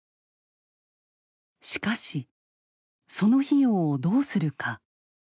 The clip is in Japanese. しかしその費用をどうするか。